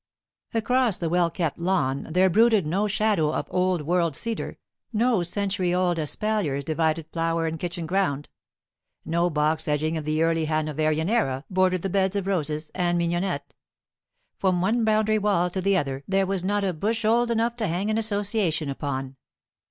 Across the well kept lawn there brooded no shadow of Old World cedar; no century old espaliers divided flower and kitchen ground; no box edging of the early Hanoverian era bordered the beds of roses and mignonette. From one boundary wall to the other there was not a bush old enough to hang an association upon.